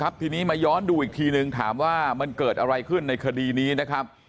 ทีนี้มาย้อนดูอีกทีนึงถามว่ามันเกิดอะไรขึ้นในคดีนี้นะครับ